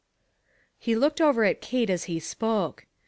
He looked over at Kate as he spoke.